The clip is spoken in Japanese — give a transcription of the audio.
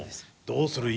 どうする？